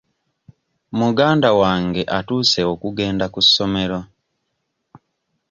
Muganda wange atuuse okugenda ku ssomero.